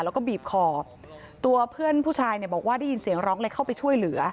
แล้วก็บีบคอตัวเพื่อนผู้ชายเนี่ยบอกว่าได้ยินเสียงร้องเลยเข้าไปช่วยเหลือ